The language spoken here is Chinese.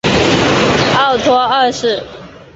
奥托二世。